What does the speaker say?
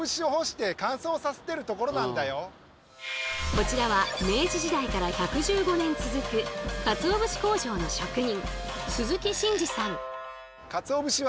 こちらは明治時代から１１５年続くかつお節工場の職人